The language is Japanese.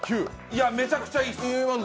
めちゃくちゃいいっす。